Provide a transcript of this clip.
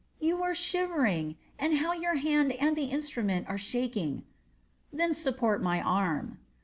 "You are shivering. And how your hand and the instrument are shaking." "Then support my arm."